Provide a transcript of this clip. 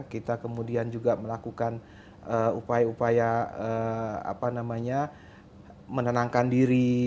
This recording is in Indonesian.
kita kemudian juga melakukan upaya upaya menenangkan diri